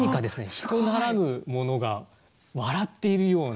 人ならぬものが笑っているような。